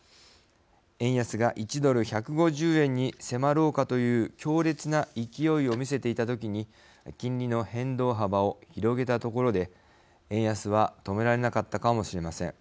円安が１ドル１５０円に迫ろうかという強烈な勢いを見せていた時に金利の変動幅を広げたところで円安は止められなかったかもしれません。